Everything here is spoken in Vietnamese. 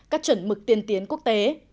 các chuẩn mực tiên tiến quốc tế